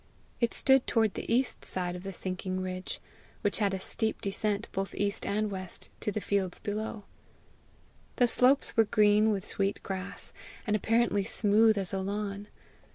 It stood toward the east side of the sinking ridge, which had a steep descent, both east and west, to the fields below. The slopes were green with sweet grass, and apparently smooth as a lawn.